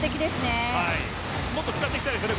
これはもっと使っていきたいですね。